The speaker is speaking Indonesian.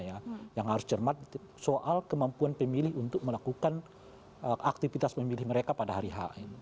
yang harus cermat soal kemampuan pemilih untuk melakukan aktivitas pemilih mereka pada hari h